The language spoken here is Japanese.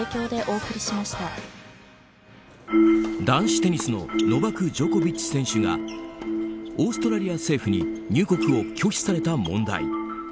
男子テニスのノバク・ジョコビッチ選手がオーストラリア政府に入国を拒否された問題。